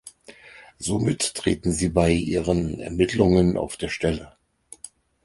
Somit treten sie bei ihren Ermittlungen auf der Stelle.